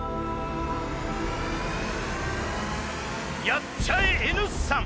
やっちゃえＮ産。